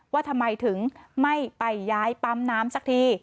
ว่าทำไมถึงไม่ไปย้ายปั๊มน้ำสักที